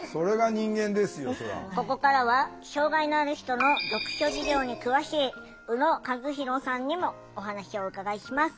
ここからは障害のある人の読書事情に詳しい宇野和博さんにもお話をお伺いします。